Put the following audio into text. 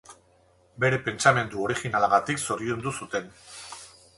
Bere pentsamendu originalagatik zoriondu zuten.